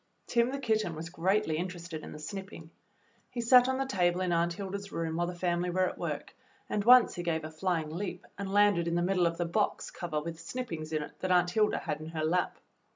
Tim, the kitten, was greatly interested in the snipping. He sat on the table in Aunt Hilda's room while the family were at work, and once he gave a flying leap and landed in the middle of the box cover with snippings in it that Aunt Hilda had in her lap.